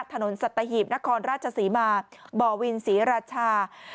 สัตหีบนครราชศรีมาบ่อวินศรีราชา